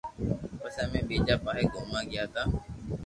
پسي امي ٻيجا پاھي گوموا گيا تا